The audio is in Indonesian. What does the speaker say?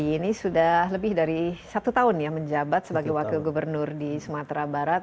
ini sudah lebih dari satu tahun ya menjabat sebagai wakil gubernur di sumatera barat